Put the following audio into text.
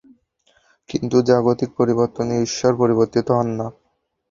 কিন্তু জাগতিক পরিবর্তনে ঈশ্বর পরিবর্তিত হন না।